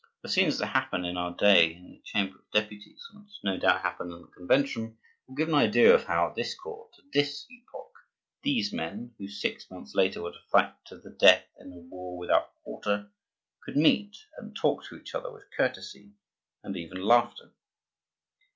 The scenes that happen in our day in the Chamber of Deputies, and which, no doubt, happened in the Convention, will give an idea of how, at this court, at this epoch, these men, who six months later were to fight to the death in a war without quarter, could meet and talk to each other with courtesy and even laughter.